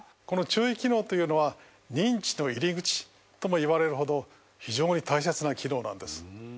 この注意機能というのは認知の入口ともいわれるほど非常に大切な機能なんです。